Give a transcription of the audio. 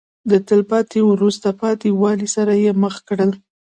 د تلپاتې وروسته پاتې والي سره یې مخ کړل.